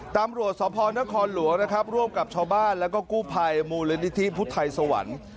ตำรวจสพนครหลวงนะครับร่วมกับชาวบ้านแล้วก็กู้ภัยมูลนิธิพุทธไทยสวรรค์